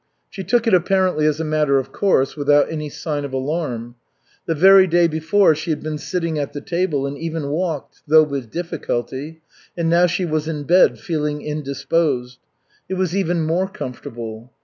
She took it, apparently, as a matter of course, without any sign of alarm. The very day before she had been sitting at the table and even walked, though with difficulty, and now she was in bed "feeling indisposed." It was even more comfortable.